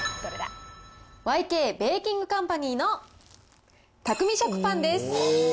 ＹＫベーキングカンパニーの匠水食パンです。